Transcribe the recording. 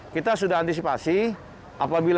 karena tahun ini bisa mudik